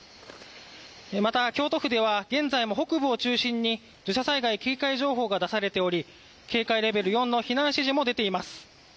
また、京都府では現在も北部を中心に土砂災害警戒情報が出されており警戒レベル４の避難指示も出ています。